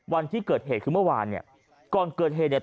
วันที่เกิดเหตุคือเมื่อวานเนี่ยก่อนเกิดเหตุเนี่ย